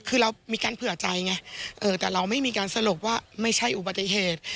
คือเรามีการเผื่อใจไงแต่เราไม่มีการสรุปว่าไม่ใช่อุบัติเหตุ